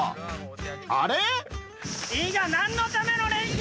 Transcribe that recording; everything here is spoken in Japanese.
あれ？